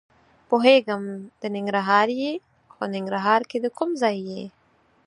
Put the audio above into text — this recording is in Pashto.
پوهېږم د ننګرهار یې؟ خو ننګرهار کې د کوم ځای یې؟